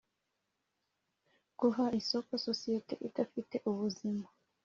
Guha isoko sosiyete idafite ubuzima